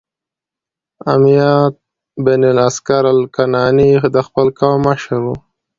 امیة بن الاسکر الکناني د خپل قوم مشر و،